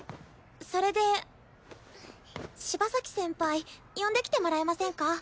それで柴崎先輩呼んできてもらえませんか？